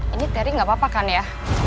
ini terry gapapa kan ya